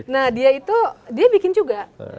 nah dia itu dia bikin juga